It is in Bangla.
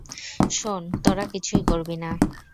শোন, তোরা কিছুই করবি না।